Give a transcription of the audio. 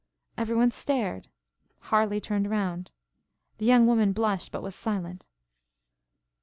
Every one stared; Harleigh turned round; the young woman blushed, but was silent.